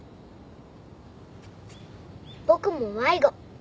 僕も迷子。